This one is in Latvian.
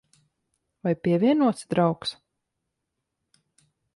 Vai pievienosi, draugs?